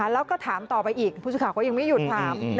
แล้วก็ถามต่อไปอีกผู้สื่อข่าวก็ยังไม่หยุดถาม